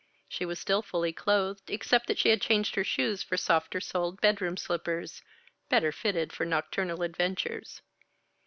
She was still fully clothed, except that she had changed her shoes for softer soled bedroom slippers, better fitted for nocturnal adventures.